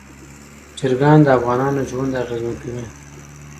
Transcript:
چرګان د افغانانو ژوند اغېزمن کوي.